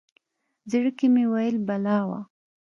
زړه کې مې ویل بلا وه.